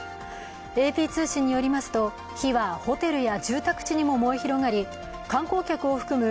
ＡＰ通信によりますと火はホテルや住宅地にも燃え広がり観光客を含む